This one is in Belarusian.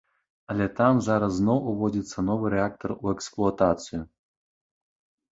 Але там зараз зноў уводзіцца новы рэактар у эксплуатацыю.